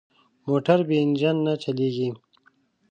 موټر بې انجن نه چلېږي.